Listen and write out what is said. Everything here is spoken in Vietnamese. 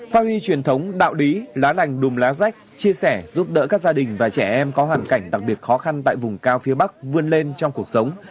phát huy truyền thống đạo lý lá lành đùm lá rách chia sẻ giúp đỡ các gia đình và trẻ em có hoàn cảnh đặc biệt khó khăn tại vùng cao phía bắc vươn lên trong cuộc sống